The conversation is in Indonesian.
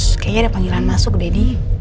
kayaknya ada panggilan masuk d d